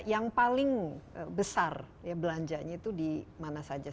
yang paling besar belanjanya itu di mana saja